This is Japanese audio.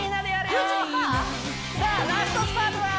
さあラストスパートだ！